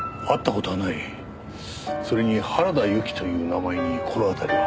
それに原田由紀という名前に心当たりは。